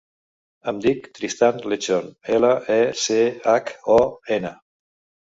Em dic Tristan Lechon: ela, e, ce, hac, o, ena.